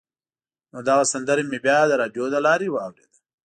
نو دغه سندره مې بیا د راډیو له لارې واورېده.